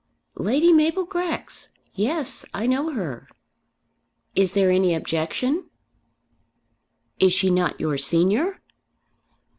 "Lady Mabel Grex? Yes; I know her." "Is there any objection?" "Is she not your senior?"